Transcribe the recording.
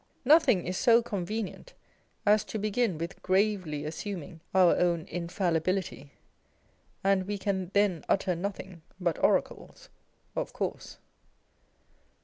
Nothing is so convenient as to begin with gravely assuming our own infallibility, and we can then utter nothing but oracles, of course.